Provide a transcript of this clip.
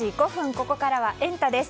ここからはエンタ！です。